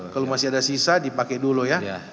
kalau masih ada sisa dipakai dulu ya